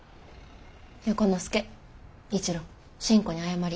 横之助一郎新子に謝り。